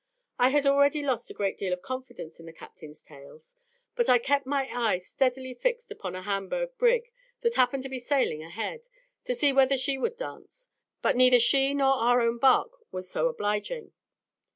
I had already lost a great deal of confidence in the captain's tales, but I kept my eye steadily fixed upon a Hamburgh brig, that happened to be sailing ahead, to see whether she would dance; but neither she nor our own bark was so obliging.